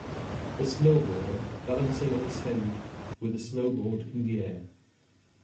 a snowboarder balancing on his hand with the snowboard in the air